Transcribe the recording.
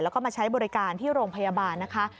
แล้วก็มาใช้บริการที่โรงพยาบาลนะคะ